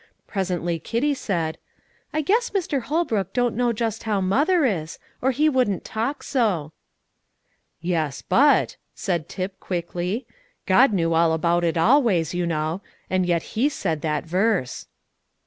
Presently Kitty said, "I guess Mr. Holbrook don't know just how mother is, or he wouldn't talk so." "Yes, but," said Tip quickly, "God knew all about it always, you know; and yet He said that verse."